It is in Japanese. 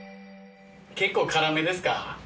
結構辛めですか？